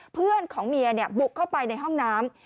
เพื่อนของเมียบุกเข้าไปในห้องน้ำ